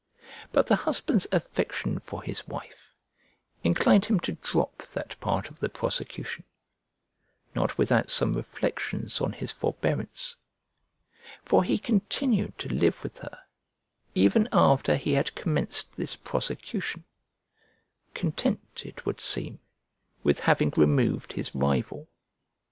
But the husband's affection for his wife inclined him to drop that part of the prosecution, not without some reflections on his forbearance; for he continued to live with her even after he had commenced this prosecution, content, it would seem, with having removed his rival.